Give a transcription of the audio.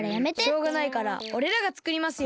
しょうがないからおれらがつくりますよ。